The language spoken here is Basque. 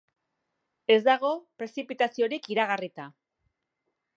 Ez dago prezipitaziorik iragarrita.